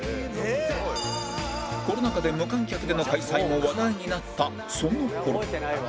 コロナ禍で無観客での開催も話題になったその頃